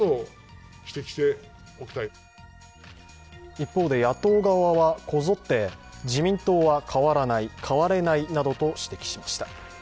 一方で野党側はこぞって「自民党は変わらない、変われない」などと指摘しました。